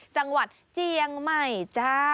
จังหวัดเจียงใหม่จ้า